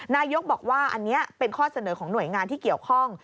นายกบอกว่าอันนี้เป็นข้อเสนอของหน่วยงานที่เกี่ยวข้อง